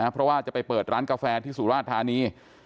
เพราะว่าจะไปเปิดร้านกาแฟที่สุราชธานี